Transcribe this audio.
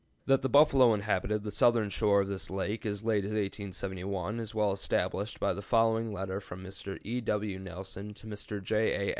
_ That the buffalo inhabited the southern shore of this lake as late as 1871 is well established by the following letter from Mr. E. W. Nelson to Mr. J. A.